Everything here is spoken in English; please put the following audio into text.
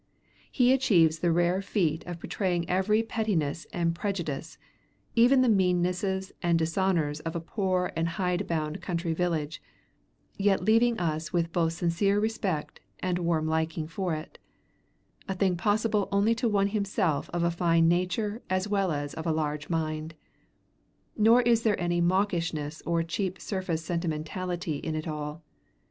He achieves the rare feat of portraying every pettiness and prejudice, even the meannesses and dishonors of a poor and hidebound country village, yet leaving us with both sincere respect and warm liking for it; a thing possible only to one himself of a fine nature as well as of a large mind. Nor is there any mawkishness or cheap surface sentimentality in it all.